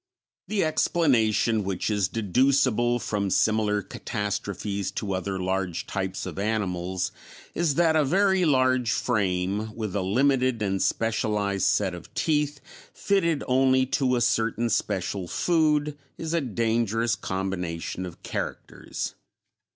The explanation which is deducible from similar catastrophes to other large types of animals is that a very large frame, with a limited and specialized set of teeth fitted only to a certain special food, is a dangerous combination of characters.